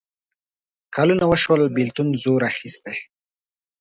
کلونه وشول بېلتون زور اخیستی.